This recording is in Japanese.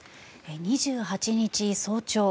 ２８日早朝